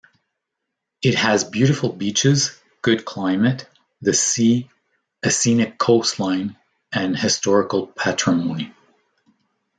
It has beautiful beaches, good climate, the sea, a scenic coastline, and historical patrimony.